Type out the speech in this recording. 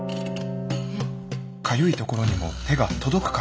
かゆいところにも手が届く感じで。